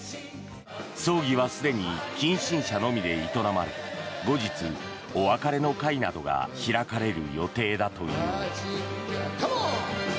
葬儀はすでに近親者のみで営まれ後日、お別れの会などが開かれる予定だという。